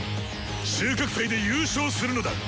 収穫祭で優勝するのだ！